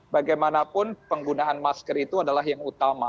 bagaimanapun penggunaan masker itu adalah yang utama